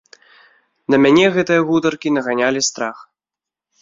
На мяне гэтыя гутаркі наганялі страх.